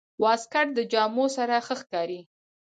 واسکټ د جامو سره ښه ښکاري.